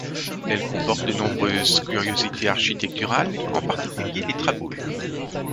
Elle comporte de nombreuses curiosités architecturales, en particulier les traboules.